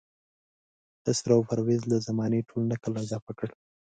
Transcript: خسرو پرویز له زمانې ټول نکل اضافه کړ.